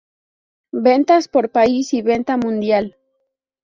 Ventas por país y venta mundial